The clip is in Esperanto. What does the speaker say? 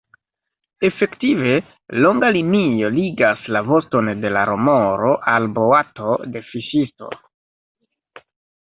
Efektive, longa linio ligas la voston de la remoro al boato de fiŝisto.